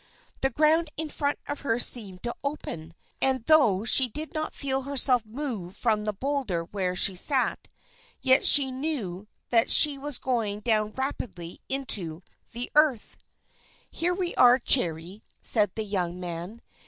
The ground in front of her seemed to open; and, though she did not feel herself move from the boulder where she sat, yet she knew that she was going down rapidly into the earth. "Here we are, Cherry," said the young man.